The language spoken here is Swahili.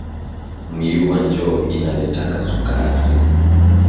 Myuwa njo inaletaka sukari